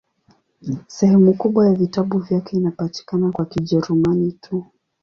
Sehemu kubwa ya vitabu vyake inapatikana kwa Kijerumani tu.